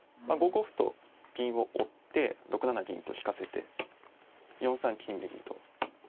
５五歩と銀を追って６七銀と引かせて４三金右と。